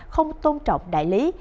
không tôn trọng đại lý